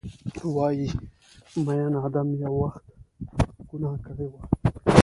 وایې ، میین ادم یو وخت ګناه کړي وه